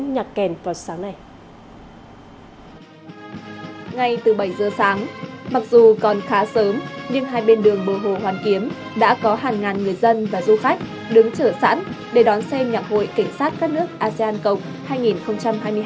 nhưng hai bên đường bờ hồ hoàn kiếm đã có hàng ngàn người dân và du khách đứng chở sẵn để đón xem nhạc hội cảnh sát các nước asean cộng hai nghìn hai mươi hai